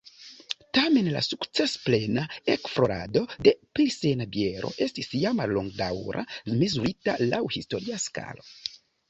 Tamen la sukcesplena ekflorado de pilsena biero estis ja mallongdaŭra, mezurita laŭ historia skalo.